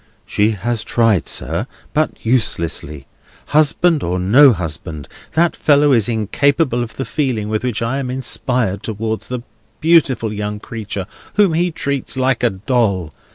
"She has tried, sir, but uselessly. Husband or no husband, that fellow is incapable of the feeling with which I am inspired towards the beautiful young creature whom he treats like a doll.